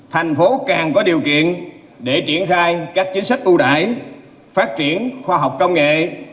thành phố càng có điều kiện để triển khai các chính sách ưu đại phát triển khoa học công nghệ